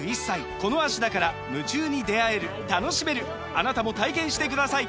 あなたも体験してください！